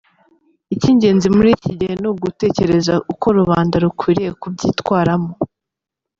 Icy’ingenzi muri iki gihe ni ugutekereza uko rubanda rukwiriye kubyitwaramo.